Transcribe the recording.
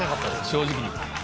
正直に。